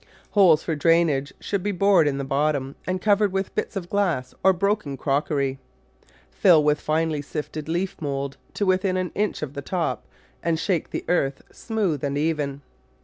Holes for drainage should be bored in the bottom and covered with bits of glass or broken crockery. Fill with finely sifted leaf mould to within an inch of the top and shake the earth smooth and even.